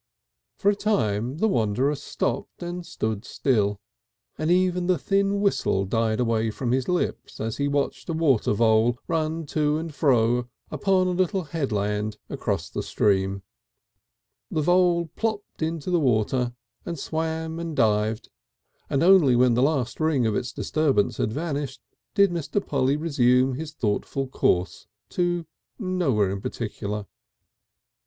For a time the wanderer stopped and stood still, and even the thin whistle died away from his lips as he watched a water vole run to and fro upon a little headland across the stream. The vole plopped into the water and swam and dived and only when the last ring of its disturbance had vanished did Mr. Polly resume his thoughtful course to nowhere in particular.